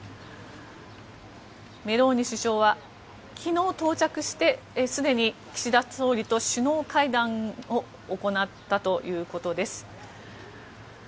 メローニ首相は昨日到着してすでに岸田総理と首脳会談を行ったということです。